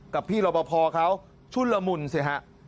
กับพี่ลบรพเขาชุนละมุนน่ะ